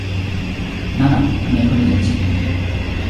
না, না, আমি এখনই যাচ্ছি।